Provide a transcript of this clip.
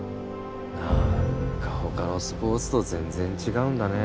何か他のスポーツと全然違うんだね